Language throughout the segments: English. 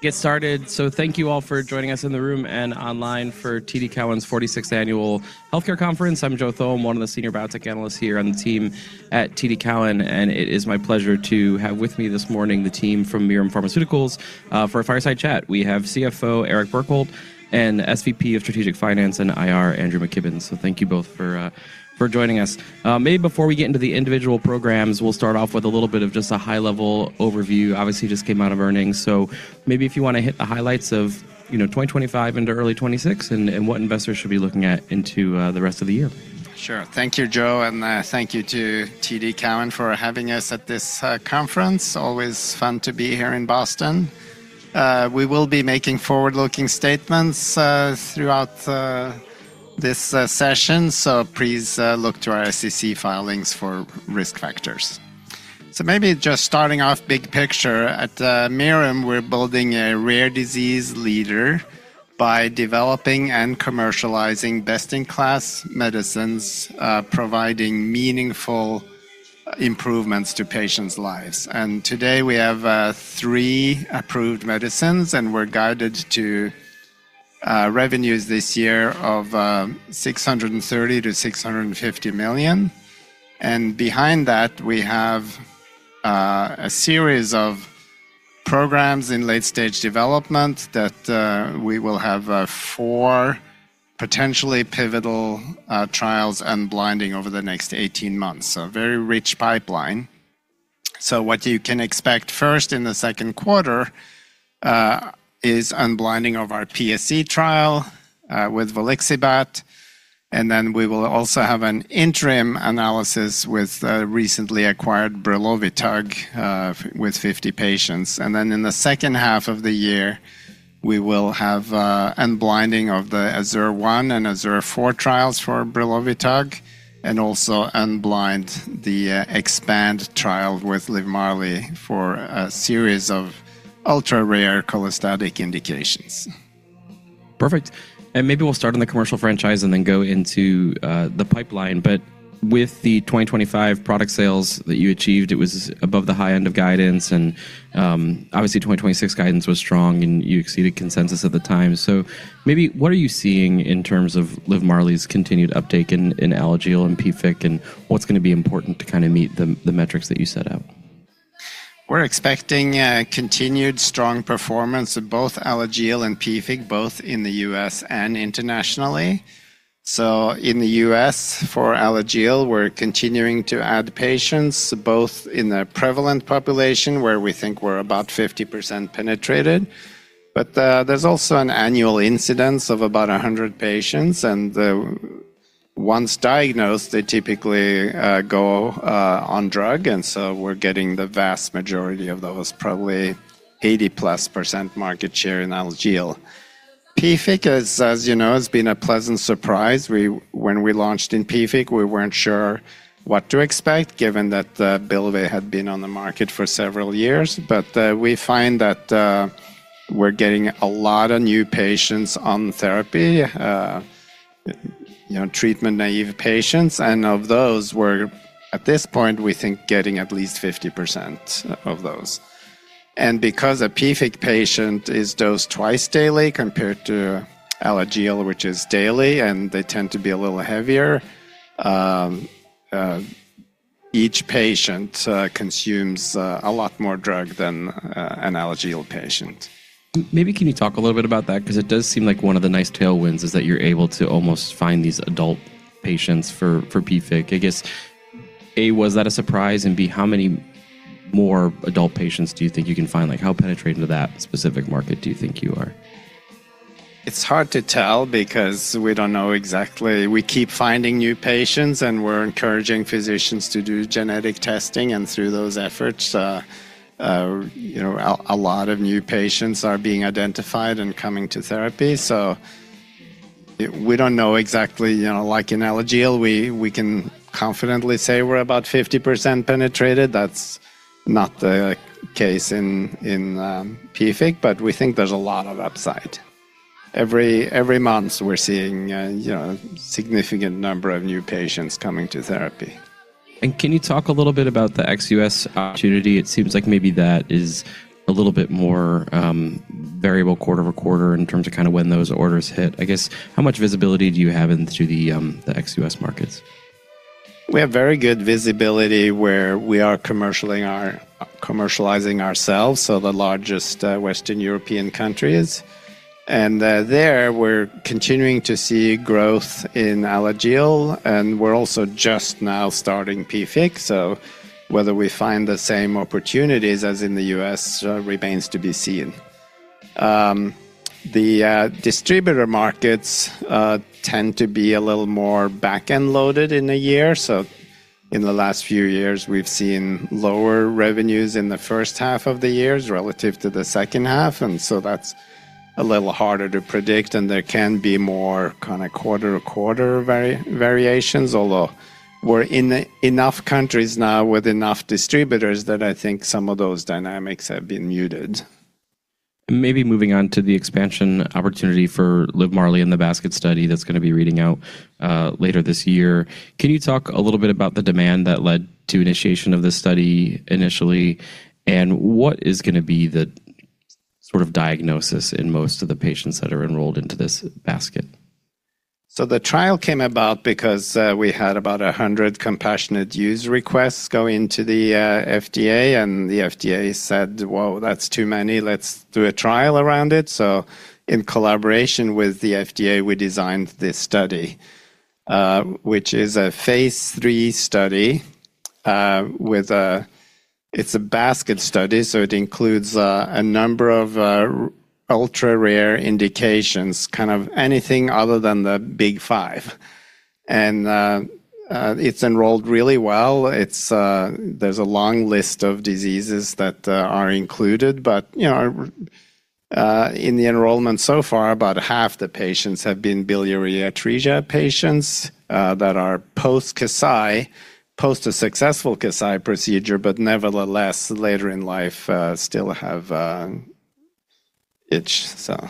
Get started. Thank you all for joining us in the room and online for TD Cowen's 46th Annual Healthcare Conference. I'm Joe Thome, one of the senior biotech analysts here on the team at TD Cowen, and it is my pleasure to have with me this morning the team from Mirum Pharmaceuticals for a fireside chat. We have CFO Eric Bjerkholt and SVP of Strategic Finance and IR Andrew McKibben. Thank you both for joining us. Maybe before we get into the individual programs, we'll start off with a little bit of just a high-level overview. Obviously, just came out of earnings, so maybe if you wanna hit the highlights of, you know, 2025 into early 2026 and what investors should be looking at into the rest of the year. Sure. Thank you, Joe, and thank you to TD Cowen for having us at this conference. Always fun to be here in Boston. We will be making forward-looking statements throughout this session, please look to our SEC filings for risk factors. Maybe just starting off big picture, at Mirum, we're building a rare disease leader by developing and commercializing best-in-class medicines, providing meaningful improvements to patients' lives. Today we have three approved medicines, and we're guided to revenues this year of $630 million-$650 million. Behind that, we have a series of programs in late-stage development that we will have four potentially pivotal trials unblinding over the next 18 months. A very rich pipeline. What you can expect first in the second quarter is unblinding of our PSC trial with volixibat, then we will also have an interim analysis with the recently acquired brelovitug with 50 patients. In the second half of the year, we will have unblinding of the AZURE-1 and AZURE-4 trials for brelovitug and also unblind the EXPAND trial with LIVMARLI for a series of ultra-rare cholestatic indications. Perfect. Maybe we'll start on the commercial franchise and then go into the pipeline. With the 2025 product sales that you achieved, it was above the high end of guidance and obviously 2026 guidance was strong, and you exceeded consensus at the time. Maybe what are you seeing in terms of LIVMARLI's continued uptake in Alagille and PFIC, and what's gonna be important to kinda meet the metrics that you set out? We're expecting continued strong performance of both Alagille and PFIC, both in the U.S. and internationally. In the U.S. for Alagille, we're continuing to add patients both in the prevalent population where we think we're about 50% penetrated, there's also an annual incidence of about 100 patients, and once diagnosed, they typically go on drug. We're getting the vast majority of those, probably 80%+ market share in Alagille. PFIC as you know, has been a pleasant surprise. When we launched in PFIC, we weren't sure what to expect given that BYLVAY had been on the market for several years. We find that we're getting a lot of new patients on therapy, you know, treatment-naive patients. Of those we're at this point, we think getting at least 50% of those. Because a PFIC patient is dosed twice daily compared to Alagille, which is daily, and they tend to be a little heavier, each patient consumes a lot more drug than an Alagille patient. Maybe can you talk a little bit about that? It does seem like one of the nice tailwinds is that you're able to almost find these adult patients for PFIC. I guess, A, was that a surprise? B, how many more adult patients do you think you can find? Like how penetrated to that specific market do you think you are? It's hard to tell because we don't know exactly. We keep finding new patients, we're encouraging physicians to do genetic testing, and through those efforts, you know, a lot of new patients are being identified and coming to therapy. We don't know exactly. You know, like in Alagille, we can confidently say we're about 50% penetrated. That's not the case in PFIC, but we think there's a lot of upside. Every month we're seeing, you know, significant number of new patients coming to therapy. Can you talk a little bit about the ex-U.S. opportunity? It seems like maybe that is a little bit more, variable quarter-over-quarter in terms of kinda when those orders hit. I guess how much visibility do you have into the ex-U.S. markets? We have very good visibility where we are commercializing ourselves, so the largest Western European countries. There we're continuing to see growth in Alagille, and we're also just now starting PFIC, so whether we find the same opportunities as in the U.S. remains to be seen. The distributor markets tend to be a little more back-end loaded in a year. In the last few years we've seen lower revenues in the first half of the years relative to the second half, that's a little harder to predict, and there can be more kinda quarter to quarter variations. Although we're in enough countries now with enough distributors that I think some of those dynamics have been muted. Maybe moving on to the expansion opportunity for LIVMARLI and the basket study that's gonna be reading out, later this year. Can you talk a little bit about the demand that led to initiation of this study initially, and what is gonna be the sort of diagnosis in most of the patients that are enrolled into this basket? The trial came about because we had about 100 compassionate use requests go into the FDA, and the FDA said, "Well, that's too many. Let's do a trial around it." In collaboration with the FDA, we designed this study, which is a phase III study. It's a basket study, so it includes a number of ultra-rare indications, kind of anything other than the big five. It's enrolled really well. It's there's a long list of diseases that are included. You know, in the enrollment so far, about half the patients have been biliary atresia patients that are post-Kasai, post a successful Kasai procedure, but nevertheless, later in life, still have itch, so.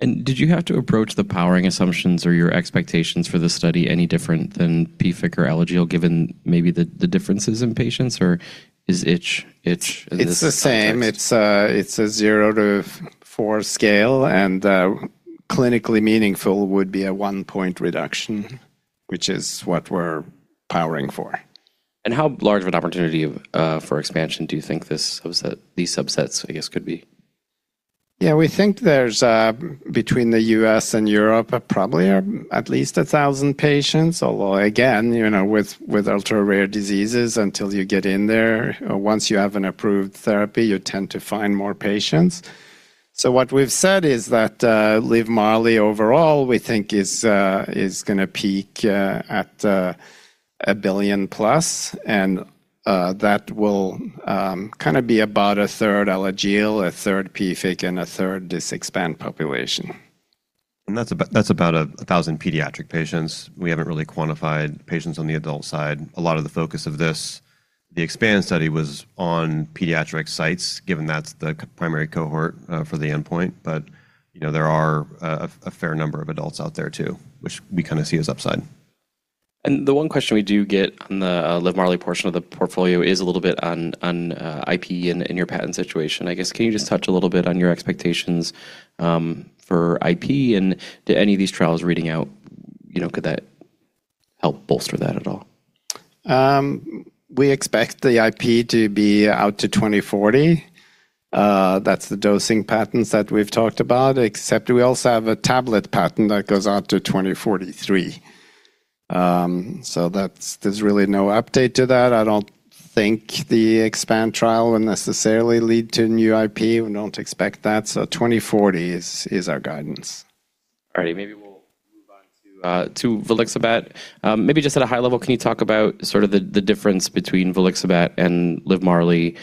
Did you have to approach the powering assumptions or your expectations for the study any different than PFIC or Alagille given maybe the differences in patients or is itch in this context? It's the same. It's a, it's a zero to four scale, and clinically meaningful would be a one-point reduction, which is what we're powering for. How large of an opportunity of, for expansion do you think this subset, these subsets, I guess, could be? Yeah, we think there's, between the U.S. and Europe, probably, at least 1,000 patients. Although, again, you know, with ultra-rare diseases, until you get in there, once you have an approved therapy, you tend to find more patients. What we've said is that, LIVMARLI overall, we think is gonna peak, at, $1 billion+, and, that will, kinda be about a third Alagille, a third PFIC, and a third this EXPAND population. That's about 1,000 pediatric patients. We haven't really quantified patients on the adult side. A lot of the focus of this, the EXPAND study was on pediatric sites, given that's the primary cohort for the endpoint. You know, there are a fair number of adults out there too, which we kinda see as upside. The one question we do get on the LIVMARLI portion of the portfolio is a little bit on IP and your patent situation. I guess, can you just touch a little bit on your expectations for IP and do any of these trials reading out, you know, could that help bolster that at all? We expect the IP to be out to 2040. That's the dosing patents that we've talked about, except we also have a tablet patent that goes out to 2043. That's, there's really no update to that. I don't think the EXPAND trial would necessarily lead to new IP. We don't expect that. 2040 is our guidance. Maybe we'll move on to volixibat. Maybe just at a high level, can you talk about sort of the difference between volixibat and LIVMARLI,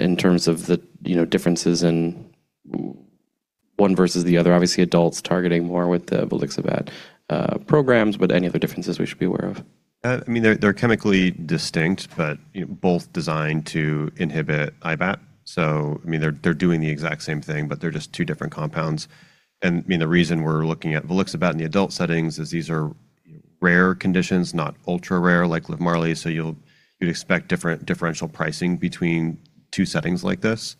in terms of the, you know, differences in one versus the other? Obviously, adults targeting more with the volixibat programs, but any other differences we should be aware of? I mean, they're chemically distinct, but both designed to inhibit IBAT. I mean, they're doing the exact same thing, but they're just two different compounds. I mean, the reason we're looking at volixibat in the adult settings is these are rare conditions, not ultra-rare like LIVMARLI. You'll, you'd expect differential pricing between two settings like this.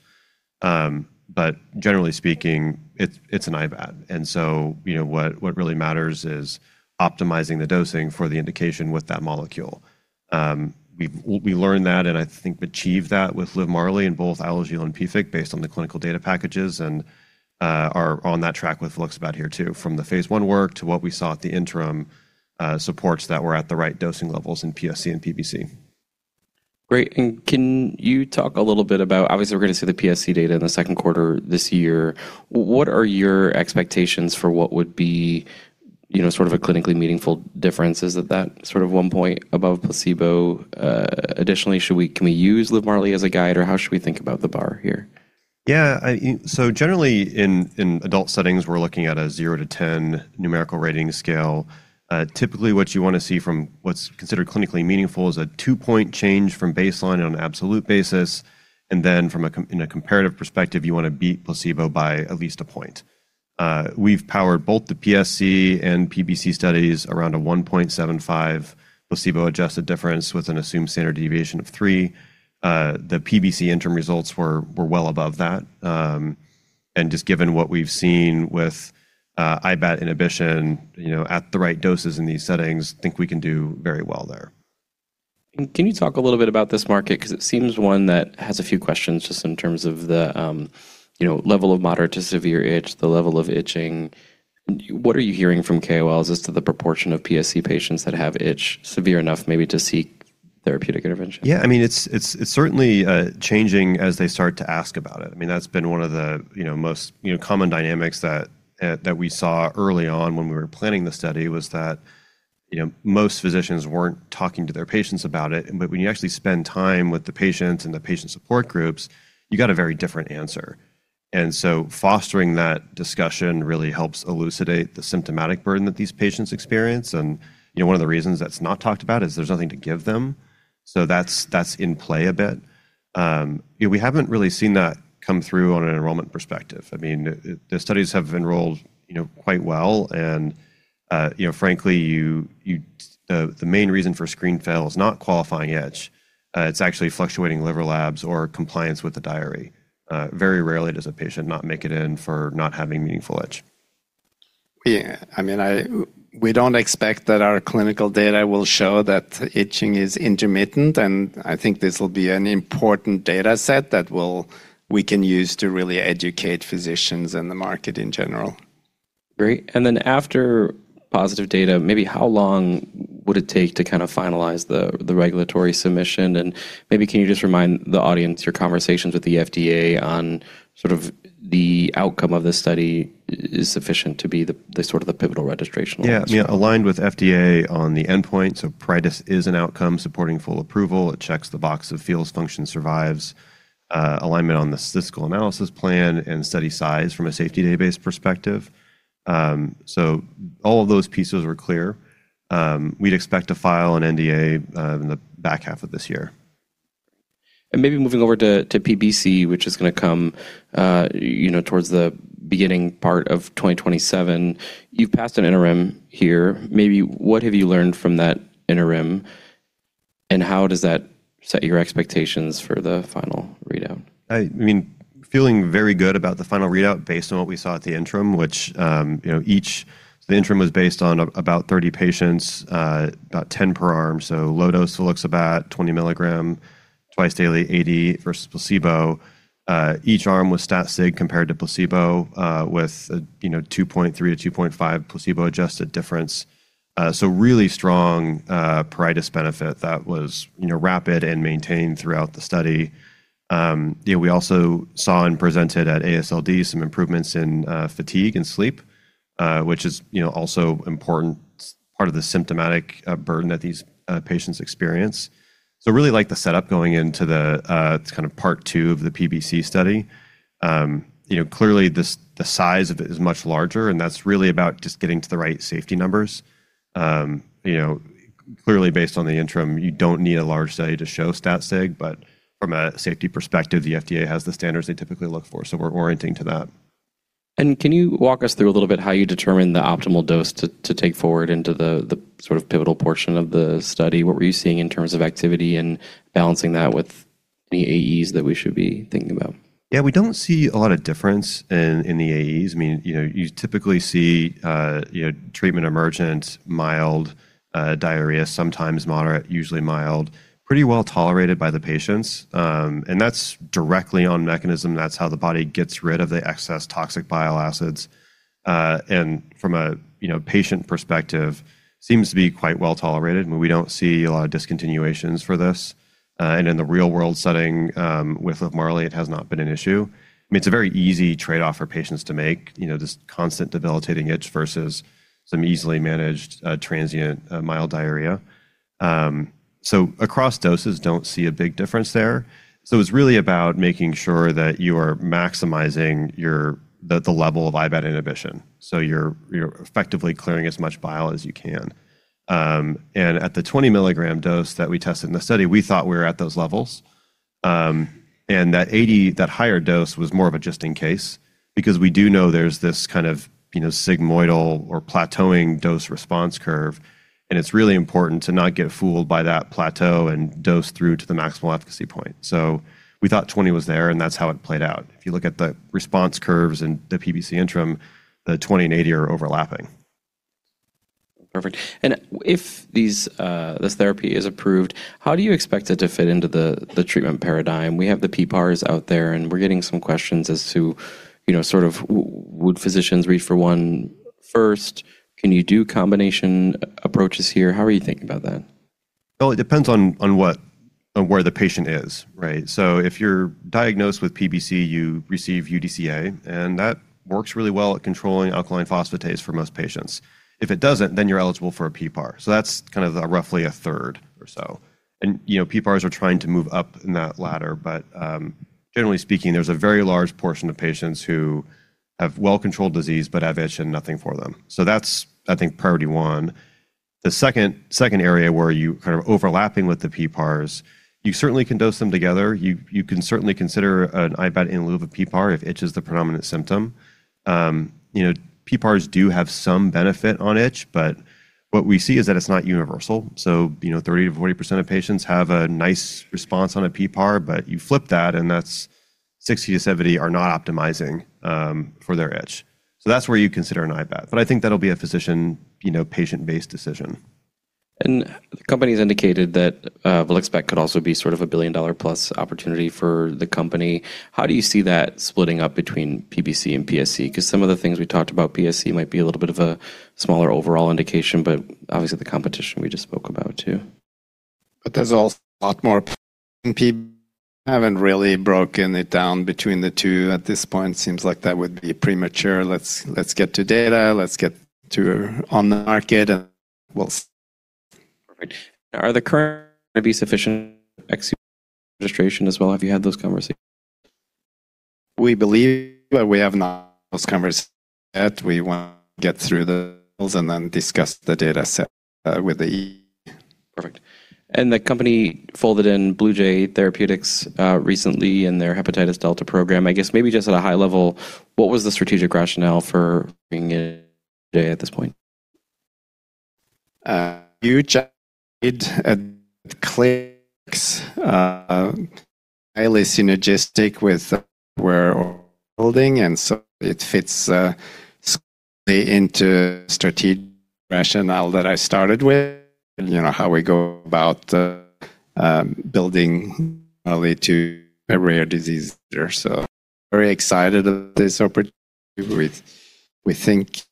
Generally speaking, it's an IBAT. You know, what really matters is optimizing the dosing for the indication with that molecule. We learned that and I think achieved that with LIVMARLI in both Alagille and PFIC based on the clinical data packages and are on that track with volixibat here too, from the phase I work to what we saw at the interim, supports that we're at the right dosing levels in PSC and PBC. Great. Can you talk a little bit about, obviously, we're gonna see the PSC data in the second quarter this year. What are your expectations for what would be, you know, sort of a clinically meaningful difference? Is it that sort of one point above placebo? Additionally, can we use LIVMARLI as a guide, or how should we think about the bar here? Yeah. Generally in adult settings, we're looking at a zero to 10 numerical rating scale. Typically, what you wanna see from what's considered clinically meaningful is a two-point change from baseline on an absolute basis. Then from a comparative perspective, you wanna beat placebo by at least a point. We've powered both the PSC and PBC studies around a 1.75 placebo-adjusted difference with an assumed standard deviation of three. The PBC interim results were well above that, and just given what we've seen with IBAT inhibition, you know, at the right doses in these settings, think we can do very well there. Can you talk a little bit about this market? 'Cause it seems one that has a few questions just in terms of the, you know, level of moderate to severe itch, the level of itching. What are you hearing from KOLs as to the proportion of PSC patients that have itch severe enough maybe to seek therapeutic intervention? Yeah. I mean, it's certainly changing as they start to ask about it. I mean, that's been one of the, you know, most, you know, common dynamics that we saw early on when we were planning the study was that, you know, most physicians weren't talking to their patients about it. When you actually spend time with the patients and the patient support groups, you get a very different answer. Fostering that discussion really helps elucidate the symptomatic burden that these patients experience. You know, one of the reasons that's not talked about is there's nothing to give them. That's, that's in play a bit. Yeah, we haven't really seen that come through on an enrollment perspective. I mean, the studies have enrolled, you know, quite well and, you know, frankly, you... The main reason for screen fail is not qualifying itch, it's actually fluctuating liver labs or compliance with the diary. Very rarely does a patient not make it in for not having meaningful itch. I mean, we don't expect that our clinical data will show that itching is intermittent, and I think this will be an important data set that we can use to really educate physicians and the market in general. Great. After positive data, maybe how long would it take to kind of finalize the regulatory submission? Maybe can you just remind the audience your conversations with the FDA on sort of the outcome of this study is sufficient to be the sort of the pivotal registration also? Yeah. Yeah. Aligned with FDA on the endpoint, pruritus is an outcome supporting full approval. It checks the box of feels, function, survives, alignment on the statistical analysis plan and study size from a safety database perspective. All of those pieces were clear. We'd expect to file an NDA in the back half of this year. Maybe moving over to PBC, which is going to come, you know, towards the beginning part of 2027. You've passed an interim here. Maybe what have you learned from that interim, and how does that set your expectations for the final readout? I mean, feeling very good about the final readout based on what we saw at the interim, which, you know, The interim was based on about 30 patients, about 10 per arm, so low-dose volixibat 20 milligram twice daily AD versus placebo. Each arm was stat sig compared to placebo, with a, you know, 2.3-2.5 placebo-adjusted difference. Really strong pruritus benefit that was, you know, rapid and maintained throughout the study. You know, we also saw and presented at AASLD some improvements in fatigue and sleep, which is, you know, also important part of the symptomatic burden that these patients experience. Really like the setup going into the kind of part two of the PBC study. You know, clearly the size of it is much larger, and that's really about just getting to the right safety numbers. You know, clearly based on the interim, you don't need a large study to show stat sig, but from a safety perspective, the FDA has the standards they typically look for, so we're orienting to that. Can you walk us through a little bit how you determine the optimal dose to take forward into the sort of pivotal portion of the study? What were you seeing in terms of activity and balancing that with any AEs that we should be thinking about? Yeah, we don't see a lot of difference in the AEs. I mean, you know, you typically see, you know, treatment emergent, mild, diarrhea, sometimes moderate, usually mild. Pretty well tolerated by the patients, and that's directly on mechanism. That's how the body gets rid of the excess toxic bile acids, and from a, you know, patient perspective, seems to be quite well-tolerated. I mean, we don't see a lot of discontinuations for this. In the real-world setting, with LIVMARLI, it has not been an issue. I mean, it's a very easy trade-off for patients to make, you know, this constant debilitating itch versus some easily managed, transient, mild diarrhea. Across doses, don't see a big difference there. It's really about making sure that you are maximizing the level of IBAT inhibition, so you're effectively clearing as much bile as you can. At the 20 milligram dose that we tested in the study, we thought we were at those levels. That 80, that higher dose was more of a just in case because we do know there's this kind of, you know, sigmoidal or plateauing dose response curve, and it's really important to not get fooled by that plateau and dose through to the maximal efficacy point. We thought 20 was there, and that's how it played out. If you look at the response curves in the PBC interim, the 20 and 80 are overlapping. Perfect. If this therapy is approved, how do you expect it to fit into the treatment paradigm? We have the PPARs out there, and we're getting some questions as to, you know, sort of would physicians reach for one first? Can you do combination approaches here? How are you thinking about that? Well, it depends on where the patient is, right? If you're diagnosed with PBC, you receive UDCA, and that works really well at controlling alkaline phosphatase for most patients. If it doesn't, you're eligible for a PPAR. That's kind of the roughly a third or so. You know, PPARs are trying to move up in that ladder, but generally speaking, there's a very large portion of patients who have well-controlled disease but have itch and nothing for them. That's, I think, priority one. The second area where you kind of overlapping with the PPARs, you certainly can dose them together. You can certainly consider an IBAT in lieu of a PPAR if itch is the predominant symptom. You know, PPARs do have some benefit on itch, but what we see is that it's not universal. You know, 30%-40% of patients have a nice response on a PPAR, but you flip that, and that's 60%-70% are not optimizing for their itch. That's where you consider an IBAT, but I think that'll be a physician, you know, patient-based decision. The company's indicated that volixibat could also be sort of a billion-dollar-plus opportunity for the company. How do you see that splitting up between PBC and PSC? 'Cause some of the things we talked about PSC might be a little bit of a smaller overall indication, but obviously the competition we just spoke about too. There's also a lot more. Perfect. Are the current going to be sufficient execution registration as well? Have you had those conversations? We believe. We have not had those conversations yet. We want to get through and then discuss the data set with the EE. Perfect. The company folded in Bluejay Therapeutics recently in their hepatitis delta program. I guess maybe just at a high level, what was the strategic rationale for being in Bluejay at this point? A huge clicks, highly synergistic with we're building, and so it fits into strategic rationale that I started with. You know, how we go about building early to a rare disease there. Very excited at this opportunity. We think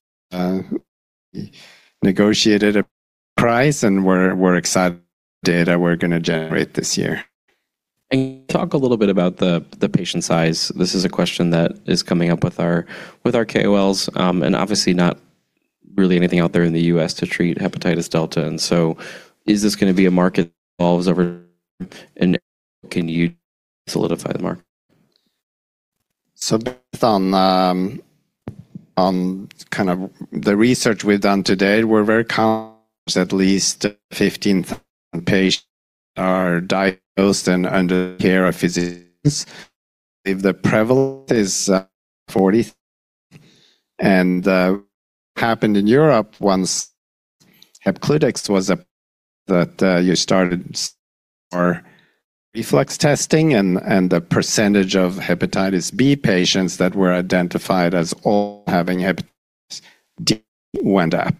negotiated a price, and we're excited the data we're gonna generate this year. Talk a little bit about the patient size. This is a question that is coming up with our, with our KOLs, and obviously not really anything out there in the U.S. to treat hepatitis delta. Is this gonna be a market that evolves over and can you solidify the market? Based on kind of the research we've done to date, we're very confident at least 15,000 patients are diagnosed and under the care of physicians. If the prevalence is 40, what happened in Europe once IBATs was approved that you started more reflex testing and the percentage of hepatitis B patients that were identified as all having hepatitis D went up.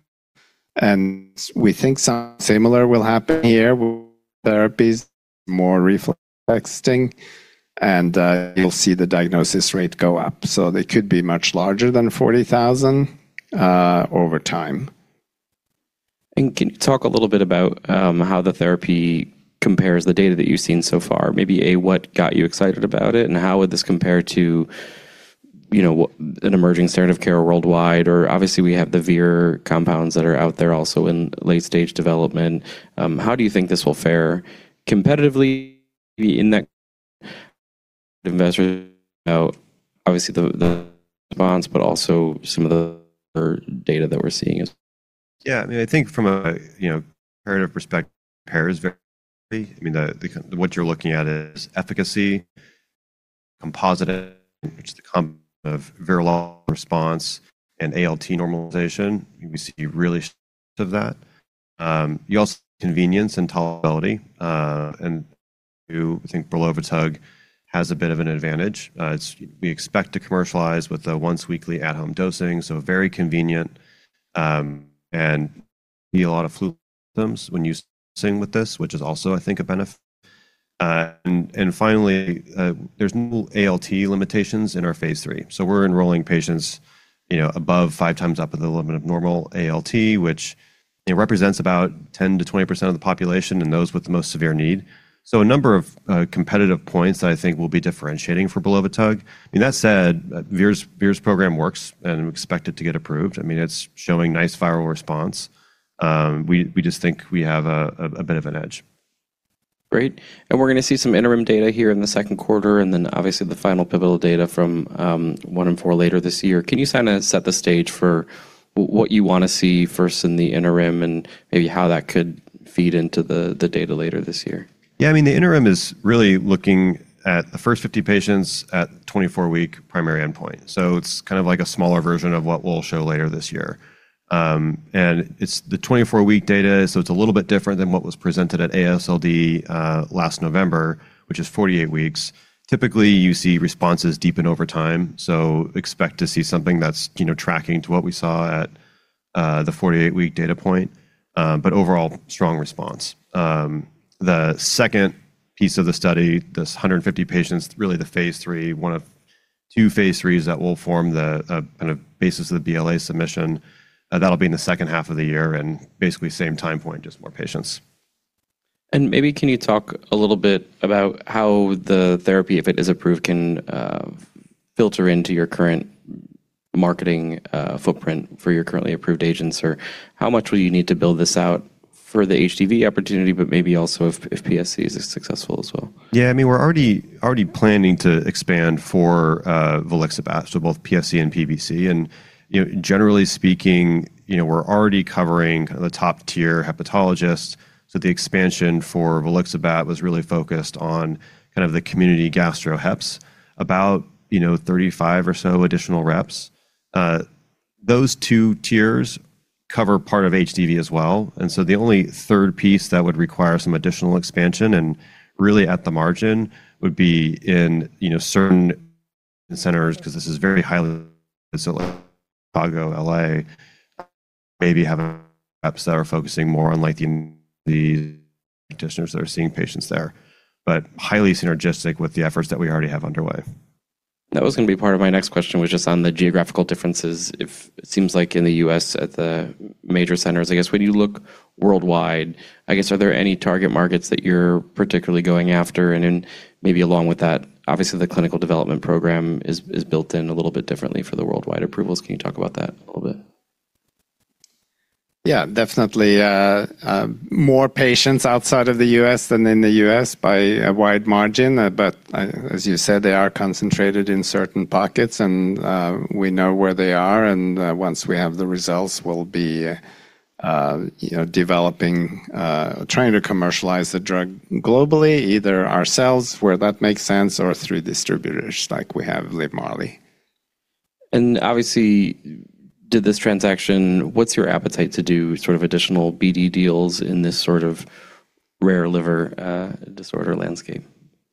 We think something similar will happen here with therapies, more reflex testing, and you'll see the diagnosis rate go up. They could be much larger than 40,000 over time. Can you talk a little bit about how the therapy compares the data that you've seen so far? Maybe A, what got you excited about it, and how would this compare to an emerging standard of care worldwide? Obviously we have the Vir compounds that are out there also in late-stage development. How do you think this will fare competitively in that investors out obviously the bonds, but also some of the data that we're seeing. Yeah. I mean, I think from a, you know, comparative perspective pair is very, I mean, what you're looking at is efficacy composite, which is the combo of viral response and ALT normalization. We see really of that. You also have convenience and tolerability, and who I think brelovitug has a bit of an advantage. It's we expect to commercialize with a once weekly at-home dosing, so very convenient, and see a lot of flu symptoms when you sing with this, which is also, I think, a benefit. Finally, there's no ALT limitations in our phase III. We're enrolling patients, you know, above five times up with a little bit of normal ALT, which, you know, represents about 10%-20% of the population and those with the most severe need. A number of competitive points that I think will be differentiating for brelovitug. I mean, that said, Vir's program works, and we expect it to get approved. I mean, it's showing nice viral response. We just think we have a bit of an edge. Great. We're gonna see some interim data here in the second quarter, and then obviously the final pivotal data from one and four later this year. Can you kind of set the stage for what you wanna see first in the interim and maybe how that could feed into the data later this year? The interim is really looking at the first 50 patients at 24-week primary endpoint. And it's the 24-week data, so it's a little bit different than what was presented at AASLD last November, which is 48 weeks. Typically, you see responses deepen over time, so expect to see something that's, you know, tracking to what we saw at the 48-week data point, but overall strong response. The second piece of the study, this 150 patients, really the phase III, one of two phase IIIs that will form the kind of basis of the BLA submission, that'll be in the second half of the year and basically same time point, just more patients. Maybe can you talk a little bit about how the therapy, if it is approved, can filter into your current marketing footprint for your currently approved agents? How much will you need to build this out for the HDV opportunity, but maybe also if PSC is as successful as well? Yeah. I mean, we're already planning to expand for volixibat, so both PSC and PBC. You know, generally speaking, you know, we're already covering the top tier hepatologists, so the expansion for volixibat was really focused on kind of the community gastro/heps about, you know, 35 or so additional reps. Those two tiers cover part of HDV as well. The only third piece that would require some additional expansion and really at the margin would be in, you know, certain centers because this is very highly facility, Chicago, L.A., maybe have reps that are focusing more on like the practitioners that are seeing patients there. Highly synergistic with the efforts that we already have underway. That was gonna be part of my next question was just on the geographical differences. If it seems like in the U.S. at the major centers, I guess when you look worldwide, I guess, are there any target markets that you're particularly going after? Maybe along with that, obviously, the clinical development program is built in a little bit differently for the worldwide approvals. Can you talk about that a little bit? Yeah, definitely, more patients outside of the U.S. than in the U.S. by a wide margin. As you said, they are concentrated in certain pockets and, we know where they are. Once we have the results, we'll be, you know, developing, trying to commercialize the drug globally, either ourselves where that makes sense or through distributors like we have LIVMARLI. Obviously did this transaction, what's your appetite to do sort of additional BD deals in this sort of rare liver disorder landscape?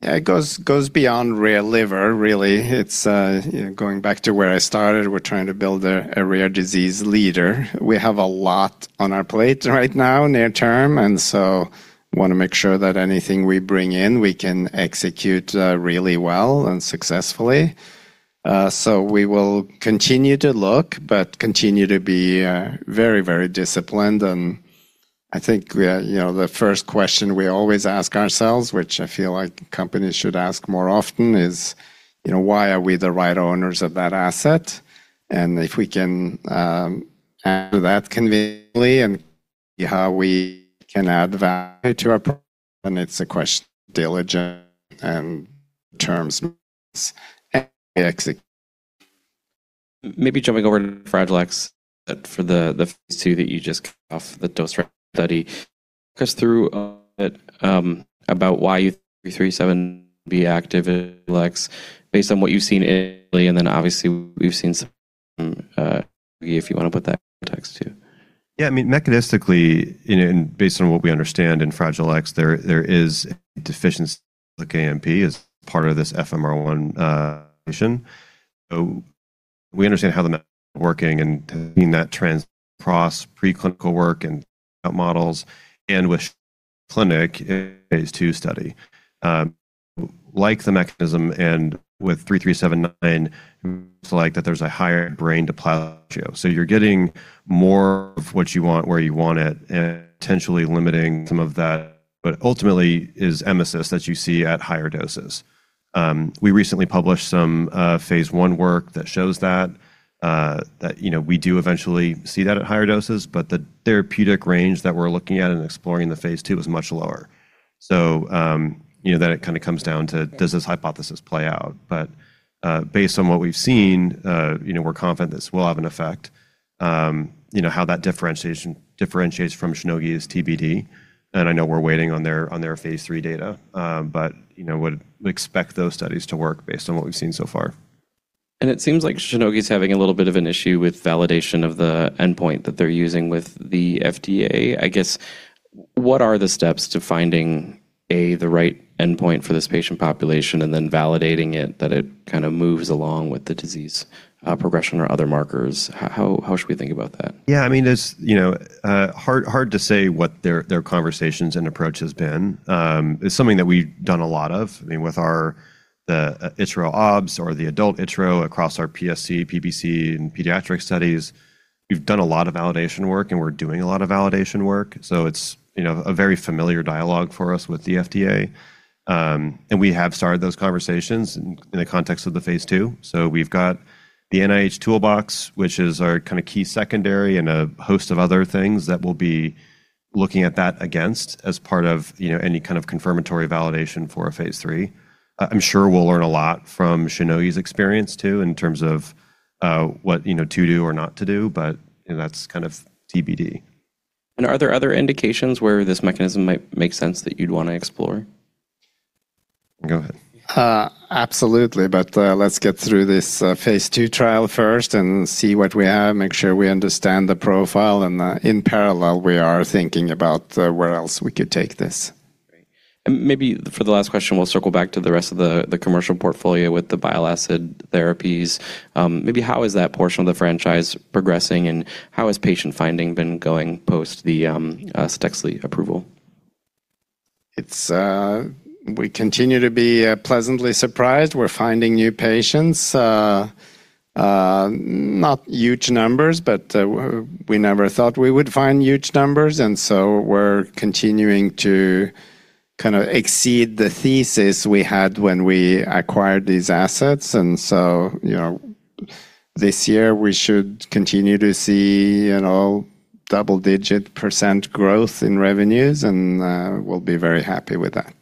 Yeah, it goes beyond rare liver, really. It's, you know, going back to where I started, we're trying to build a rare disease leader. We have a lot on our plate right now near term, wanna make sure that anything we bring in, we can execute really well and successfully. We will continue to look, but continue to be very, very disciplined. I think we are. You know, the first question we always ask ourselves, which I feel like companies should ask more often, is, you know, why are we the right owners of that asset? If we can handle that conveniently and see how we can add value to our, and it's a question of diligence and terms. Maybe jumping over to Fragile X for the phase II that you just off the dose study. Talk us through about why MRM-3379 active likes based on what you've seen, then obviously we've seen some, if you wanna put that context too? Yeah. I mean, mechanistically, you know, based on what we understand in Fragile X, there is deficiency like AMP is part of this FMR1 mission. We understand how the working and, I mean, that trans preclinical work and models and with clinic phase II study, like the mechanism and with MRM-3379, it's like that there's a higher brain to ratio. You're getting more of what you want, where you want it, and potentially limiting some of that. Ultimately is emesis that you see at higher doses. We recently published some phase I work that shows that, you know, we do eventually see that at higher doses, but the therapeutic range that we're looking at and exploring in the phase II is much lower. You know, then it kind of comes down to does this hypothesis play out? Based on what we've seen, you know, we're confident this will have an effect. You know, how that differentiation differentiates from Shionogi is TBD, and I know we're waiting on their phase III data. You know, would expect those studies to work based on what we've seen so far. It seems like Shionogi is having a little bit of an issue with validation of the endpoint that they're using with the FDA. I guess, what are the steps to finding, A, the right endpoint for this patient population and then validating it that it kind of moves along with the disease, progression or other markers? How should we think about that? Yeah, I mean, there's, you know, hard to say what their conversations and approach has been. It's something that we've done a lot of. I mean, with our the Itra obs or the adult Itra across our PSC, PBC, and pediatric studies, we've done a lot of validation work, and we're doing a lot of validation work. It's, you know, a very familiar dialogue for us with the FDA. We have started those conversations in the context of the phase II. We've got the NIH Toolbox, which is our kinda key secondary and a host of other things that we'll be looking at that against as part of, you know, any kind of confirmatory validation for a phase III. I'm sure we'll learn a lot from Shionogi's experience too in terms of what, you know, to do or not to do, but, you know, that's kind of TBD. Are there other indications where this mechanism might make sense that you'd wanna explore? Go ahead. Absolutely. Let's get through this phase II trial first and see what we have, make sure we understand the profile and, in parallel, we are thinking about where else we could take this. Great. Maybe for the last question, we'll circle back to the rest of the commercial portfolio with the bile acid therapies. Maybe how is that portion of the franchise progressing, and how has patient finding been going post the CTEXLI approval? It's. We continue to be pleasantly surprised. We're finding new patients. Not huge numbers, but we never thought we would find huge numbers. We're continuing to kinda exceed the thesis we had when we acquired these assets. You know, this year we should continue to see, you know, double-digit percent growth in revenues, and we'll be very happy with that.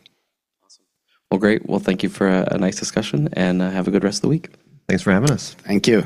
Awesome. Well, great. Well, thank you for a nice discussion, and have a good rest of the week. Thanks for having us. Thank you.